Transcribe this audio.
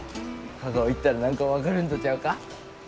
香川行ったら何か分かるんとちゃうか？